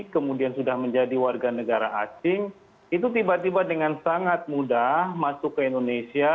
kemudian sudah menjadi warga negara asing itu tiba tiba dengan sangat mudah masuk ke indonesia